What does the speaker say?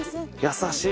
優しい。